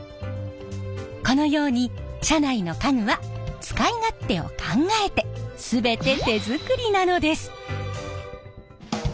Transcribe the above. このように車内の家具は使い勝手を考えて全て手作りなのです！